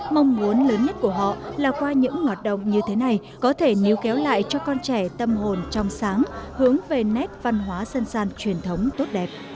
mong muốn lớn nhất của họ là qua những ngọt động như thế này có thể nhíu kéo lại cho con trẻ tâm hồn trong sáng hướng về nét văn hóa sân sàn truyền thống tốt đẹp